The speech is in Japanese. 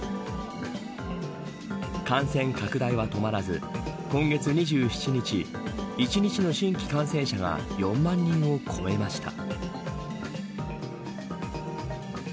感染拡大は止まらず今月２７日１日の新規感染者が４万人を超えました。